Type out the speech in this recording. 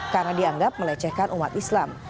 karena dianggap melecehkan umat islam